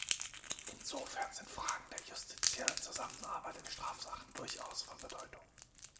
Insofern sind Fragen der justitiellen Zusammenarbeit in Strafsachen durchaus von Bedeutung.